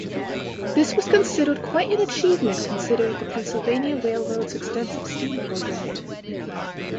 This was considered quite an achievement considering the Pennsylvania Railroad's extensive steam program.